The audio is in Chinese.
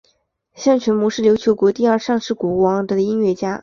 向全谟是琉球国第二尚氏王朝时期的音乐家。